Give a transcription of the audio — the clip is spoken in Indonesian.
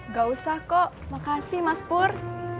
gak usah kok makasih mas pur